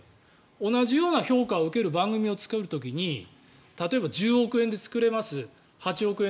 同じような評価を受ける番組を作る時に例えば、１０億円で作れます